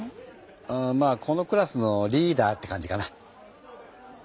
うまあこのクラスのリーダーって感じかな。